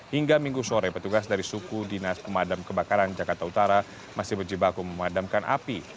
hingga minggu sore petugas dari suku dinas pemadam kebakaran jakarta utara masih berjibaku memadamkan api